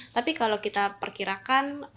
tapi kalau kita perkirakan